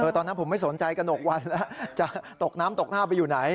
ตอนนั้นผมไม่สนใจกระหนกวันแล้วจะตกน้ำตกท่าไปอยู่ไหน